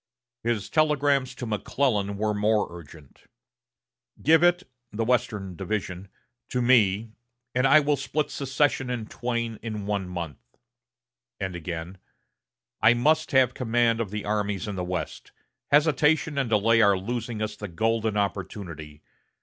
His telegrams to McClellan were more urgent. "Give it [the Western Division] to me, and I will split secession in twain in one month." And again: "I must have command of the armies in the West. Hesitation and delay are losing us the golden opportunity.